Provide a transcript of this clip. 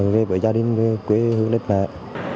về gia đình về quê hương đất bạc